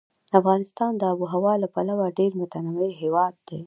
افغانستان د آب وهوا له پلوه ډېر متنوع هېواد دی.